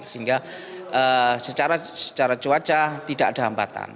sehingga secara cuaca tidak ada hambatan